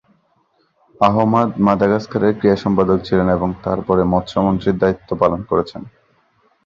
আহমাদ মাদাগাস্কারের ক্রীড়া সম্পাদক ছিলেন এবং তারপরে মৎস্য মন্ত্রীর দায়িত্ব পালন করেছেন।